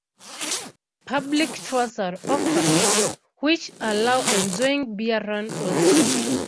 Public tours are offered, which allow enjoying Bear Run also.